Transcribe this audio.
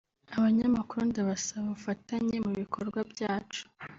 Abanyamakuru ndabasaba ubufatanye mu bikorwa byacu